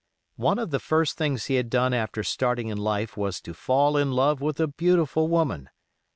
One of the first things he had done after starting in life was to fall in love with a beautiful woman.